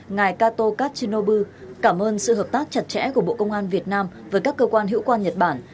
ngài kato katchino bưu cảm ơn sự hợp tác chặt chẽ của bộ công an việt nam với các cơ quan hữu quan nhật bản